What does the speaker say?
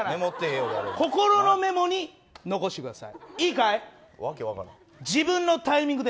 心のメモに残してください。